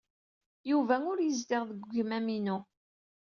Yuba ur yezdiɣ deg wegmam-inu.